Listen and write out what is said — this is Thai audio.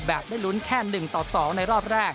แบบไม่ลุ้นแค่๑๒ในรอบแรก